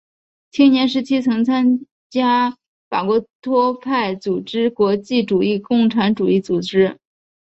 青年时期曾经参加法国托派组织国际主义共产主义组织。